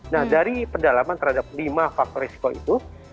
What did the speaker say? nah dari pendalaman terhadap lima faktor risiko itu